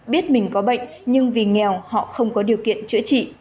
biết mình có bệnh nhưng vì nghèo họ không có điều kiện chữa trị